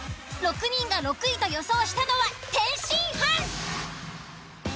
６人が６位と予想したのは天津飯。